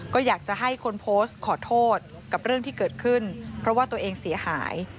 ก็อยากจะให้คนโพสต์ขอโทษกับเรื่องที่เกิดขึ้นเพราะว่าตัวเองเสียหาย